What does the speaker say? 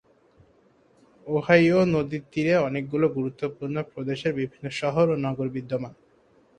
Ohio নদীর তীরে অনেকগুলো গুরুত্বপূর্ণ প্রদেশের বিভিন্ন শহর ও নগর বিদ্যমান।